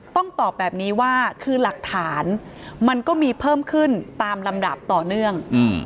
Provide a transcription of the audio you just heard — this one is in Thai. ต้องตอบแบบนี้ว่าคือหลักฐานมันก็มีเพิ่มขึ้นตามลำดับต่อเนื่อง